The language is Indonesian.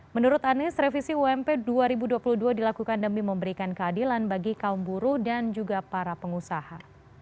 menurut anies revisi ump dua ribu dua puluh dua dilakukan demi memberikan keadilan bagi kaum buruh dan juga para pengusaha